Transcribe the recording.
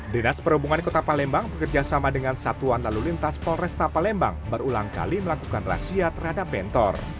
dinas perhubungan kota palembang bekerja sama dengan satuan lalu lintas polres ta palembang berulang kali melakukan rahasia terhadap bentor